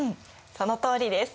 そのとおりです。